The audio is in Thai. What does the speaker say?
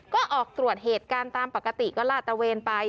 ก็ออกตรวจเหตุการณ์ตามปกติก็ลาดตะเวนไป